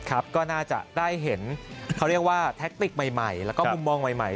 ก็น่าจะได้เห็นเขาเรียกว่าแท็กติกใหม่แล้วก็มุมมองใหม่